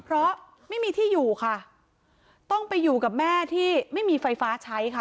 เพราะไม่มีที่อยู่ค่ะต้องไปอยู่กับแม่ที่ไม่มีไฟฟ้าใช้ค่ะ